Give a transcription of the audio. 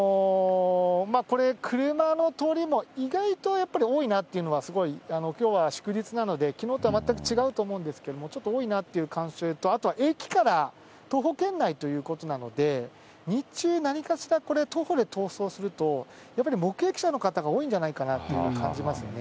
これ、車の通りも意外とやっぱり多いなというのは、すごい、きょうは祝日なので、きのうとは全く違うとは思いますけれども、ちょっと多いなという感想と、駅から徒歩圏内ということなので、日中、何かしら徒歩で逃走すると、やっぱり目撃者の方が多いんじゃないかなって感じますよね。